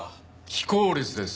非効率です。